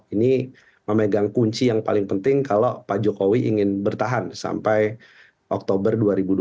ini memegang kunci yang paling penting kalau pak jokowi ingin bertahan sampai oktober dua ribu dua puluh